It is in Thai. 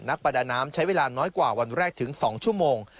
ประดาน้ำใช้เวลาน้อยกว่าวันแรกถึง๒ชั่วโมง